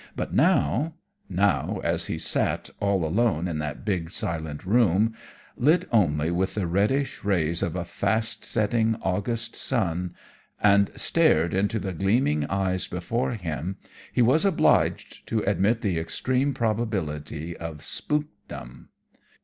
But now, now, as he sat all alone in that big silent room, lit only with the reddish rays of a fast setting August sun, and stared into the gleaming eyes before him he was obliged to admit the extreme probability of spookdom.